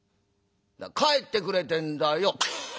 帰ってくれってんだよ」。